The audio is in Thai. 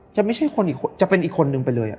ไม่ใช่คนอีกจะเป็นอีกคนนึงไปเลย